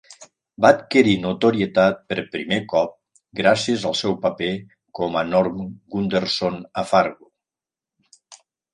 Va adquirir notorietat per primer cop gràcies al seu paper com a Norm Gunderson a "Fargo".